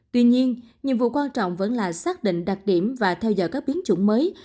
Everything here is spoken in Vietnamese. tuy nhiên nhiệm vụ quan trọng vẫn là xác định đặc điểm và theo dõi các biến chủng mới